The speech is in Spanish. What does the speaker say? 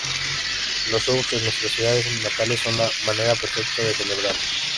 Los shows en nuestras ciudades natales son la manera perfecta de celebrarlo.